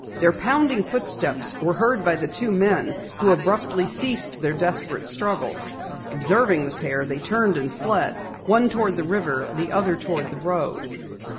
Their pounding footsteps were heard by the two men who abruptly ceased their desperate struggles. Observing the pair, they turned and fled, one toward the river, the other toward the road.